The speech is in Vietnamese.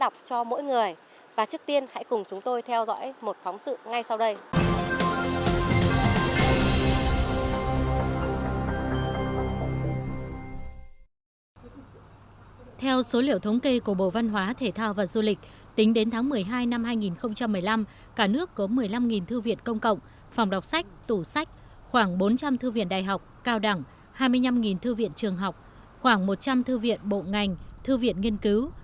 kính đến tháng một mươi hai năm hai nghìn một mươi năm cả nước có một mươi năm thư viện công cộng phòng đọc sách tủ sách khoảng bốn trăm linh thư viện đại học cao đẳng hai mươi năm thư viện trường học khoảng một trăm linh thư viện bộ ngành thư viện nghiên cứu